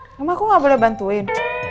emang aku tidak boleh bantuin